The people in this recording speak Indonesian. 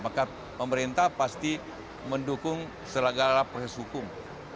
maka pemerintah pasti mendukung segala proses hukum